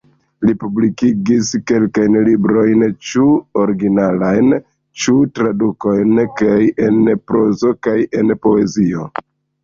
Li publikigis kelkajn librojn, ĉu originalajn ĉu tradukojn, kaj en prozo kaj en poezio.